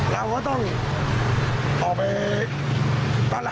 เราก็ต้องพอไป